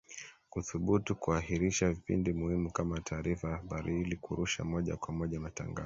kuthubutu kuahirisha vipindi muhimu kama taarifa ya habari ili kurusha moja kwa moja matangazo